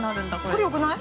◆これ、よくない？